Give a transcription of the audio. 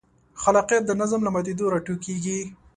خلاقیت د نظم له ماتېدو راټوکېږي.